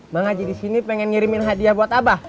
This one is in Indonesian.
mak ngaji disini pengen ngirimin hadiah buat abah